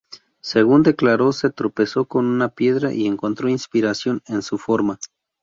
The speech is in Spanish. Según declaró, se tropezó con una piedra y encontró inspiración en su forma.